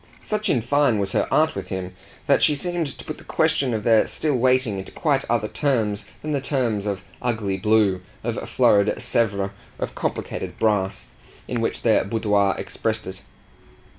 Such in fine was her art with him that she seemed to put the question of their still waiting into quite other terms than the terms of ugly blue, of florid Sevres, of complicated brass, in which their boudoir expressed it.